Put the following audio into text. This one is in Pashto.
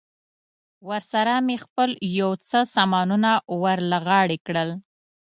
ورسره مې خپل یو څه سامانونه ور له غاړې کړل.